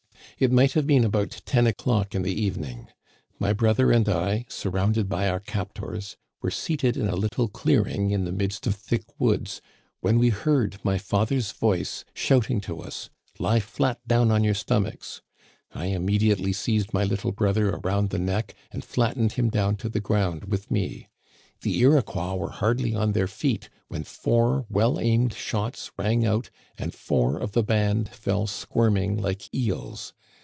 It might have been about ten o'clock in the evening. My brother and I, surrounded by our captors, were seated in a little clearing in the midst of thick woods, when we heard my father's voice shouting to us :* Lie flat down on your stomachs.' I immediately seized my little brother around the neck and flattened him down to the ground with me. The Iroquois were hardly on their feet when four well aimed shots rang out and four of the band fell squirming like eels.